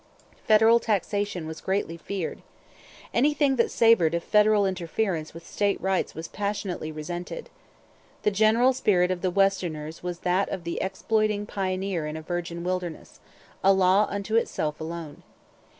Federal taxation was greatly feared. Anything that savoured of federal interference with state rights was passionately resented. The general spirit of the westerners was that of the exploiting pioneer in a virgin wilderness a law unto itself alone.